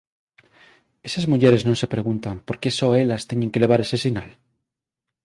Esas mulleres non se preguntan por que só elas teñen que levar ese sinal?